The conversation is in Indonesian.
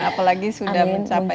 apalagi sudah mencapai